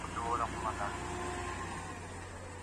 که وخت وي، ليکل کوم.